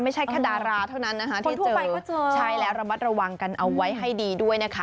ไม่ใช่แค่ดาราเท่านั้นนะคะที่ทั่วไปก็เจอใช่แล้วระมัดระวังกันเอาไว้ให้ดีด้วยนะคะ